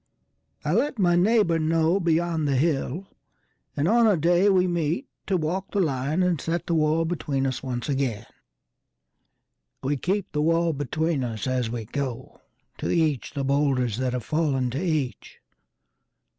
I let my neighbour know beyond the hill; And on a day we meet to walk the lineAnd set the wall between us once again. We keep the wall between us as we go. To each the boulders that have fallen to each.